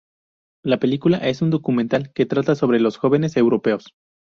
La película es un documental que trata sobre los jóvenes europeos.